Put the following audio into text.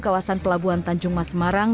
kawasan pelabuhan tanjung mas semarang